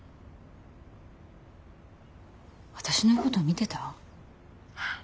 私のこと見てた？